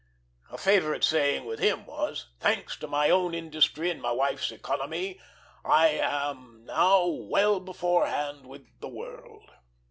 A favorite saying with him was, "Thanks to my own industry and my wife's economy, I am now well beforehand with the world."